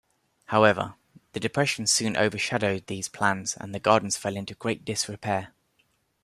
However, the Depression soon overshadowed these plans and the gardens fell into great disrepair.